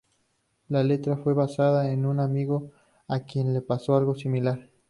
La letra fue basada en un amigo a quien le pasó algo similar.